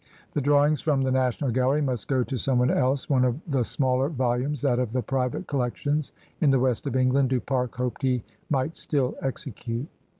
The drawings from the National Gallery must go to some one else; one of the smaller volumes, that of the private collections in the west of Eng land, Du Pare hoped he might still execute.